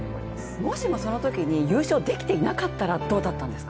もしもそのときに優勝できていなかったらどうだったんですか？